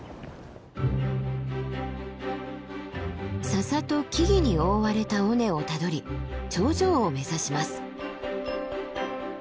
笹と木々に覆われた尾根をたどり頂上を目指します。